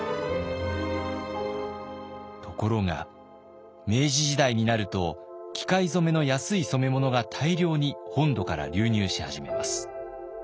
ところが明治時代になると機械染めの安い染物が大量に本土から流入し始めます。